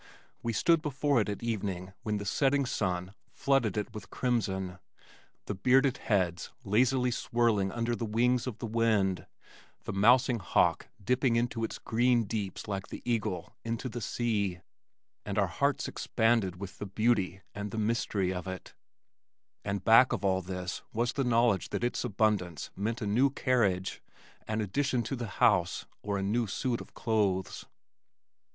We stood before it at evening when the setting sun flooded it with crimson, the bearded heads lazily swirling under the wings of the wind, the mousing hawk dipping into its green deeps like the eagle into the sea, and our hearts expanded with the beauty and the mystery of it, and back of all this was the knowledge that its abundance meant a new carriage, an addition to the house or a new suit of clothes.